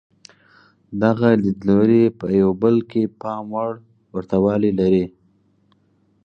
دغه لیدلوري په یو بل کې پام وړ ورته والی لري.